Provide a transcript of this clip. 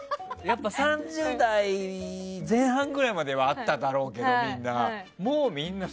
３０代前半くらいまではあっただろうけど、みんな。